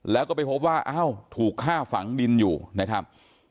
แล้วก็ไปพบว่าอ้าวถูกฆ่าฝังดินอยู่นะครับ